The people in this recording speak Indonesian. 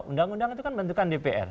karena produk dari mk itu kan bentukan dpr